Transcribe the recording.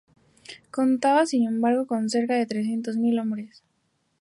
Contaba sin embargo con cerca de trescientos mil hombres.